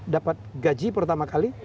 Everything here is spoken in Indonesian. dapat gaji pertama kali